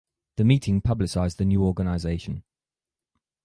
The meeting publicised the new organisation.